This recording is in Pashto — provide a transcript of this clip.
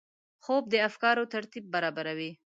خوب د افکارو ترتیب برابروي